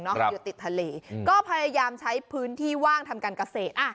อยู่ติดทะเลก็พยายามใช้พื้นที่ว่างทำการเกษตร